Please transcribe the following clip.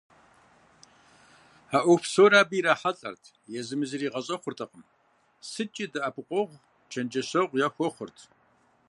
Я ӏуэху псори абы ирахьэлӏэрт, езыми зыри игъэщӏэхъуртэкъым, сыткӏи дэӏэпыкъуэгъу, чэнджэщэгъу яхуэхъурт.